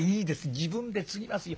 自分でつぎますよ。